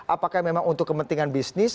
apakah memang untuk kepentingan bisnis